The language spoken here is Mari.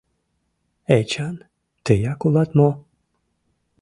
— Эчан, тыяк улат мо?